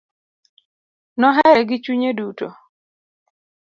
Nohere gi chunye duto.